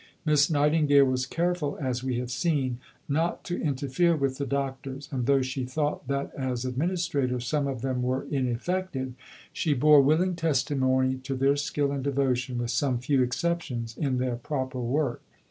Miss Nightingale was careful, as we have seen, not to interfere with the doctors, and, though she thought that as administrators some of them were ineffective, she bore willing testimony to their skill and devotion (with some few exceptions) in their proper work.